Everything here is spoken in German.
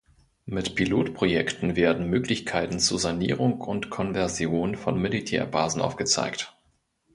Mit Pilotprojekten werden Möglichkeiten zur Sanierung und Konversion von Militärbasen aufgezeigt.